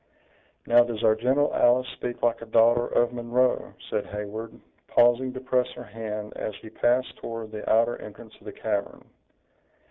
"Now does our gentle Alice speak like a daughter of Munro!" said Heyward, pausing to press her hand as he passed toward the outer entrance of the cavern.